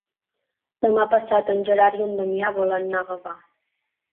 Demà passat en Gerard i en Damià volen anar a Gavà.